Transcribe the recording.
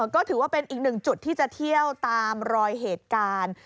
ก็ถือว่าเป็นอีกหนึ่งจุดที่จะเที่ยวตามรอยเหตุการณ์